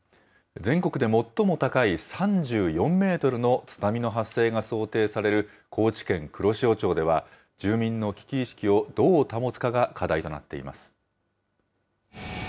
全国で最も高い３４メートルの津波の発生が想定される高知県黒潮町では、住民の危機意識をどう保つかが課題となっています。